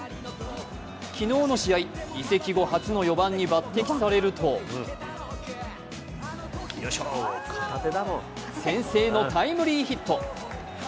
昨日の試合、移籍後初の４番に抜てきされると先制のタイムリーヒット。